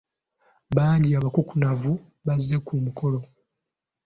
Bangi abakukunavu abazze ku mukolo.